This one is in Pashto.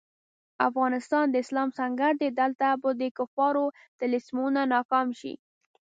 افغانستان د اسلام سنګر دی، دلته به د کفارو طلسمونه ناکام شي.